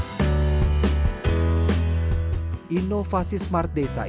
inovasi smart desa ini digagas oleh pak sony jadi menyumbangkan aplikasi ini buat kita dari csr beliau